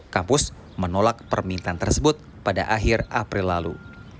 kampus menolak permintaan tersebut pada akhir april lalu